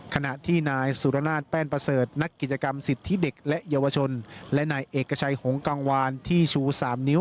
ขณะที่นายสุรนาศแป้นประเสริฐนักกิจกรรมสิทธิเด็กและเยาวชนและนายเอกชัยหงกังวานที่ชู๓นิ้ว